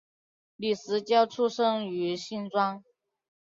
李石樵出生于新庄